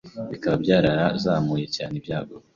bikaba byarazamuye cyane ibyago